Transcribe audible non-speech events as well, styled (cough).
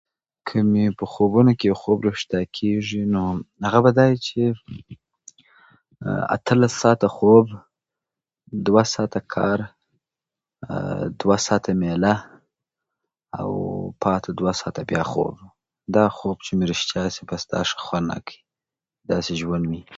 که مې په خوبو کې خوب ریښتیا کېږي، نو هغه به دا وي چې اتلس ساعته خوب، دوه ساعته کار، (hesitation) دوه ساعته میله او پاتې دوه ساعته بیا خوب. دا خوب چې مې ریښتیا شي، بس دا ښه خوند راکوي، داسې ژوند مې